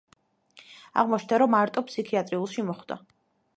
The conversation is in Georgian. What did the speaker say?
აღმოჩნდა, რომ არტო ფსიქიატრიულში მოხვდა.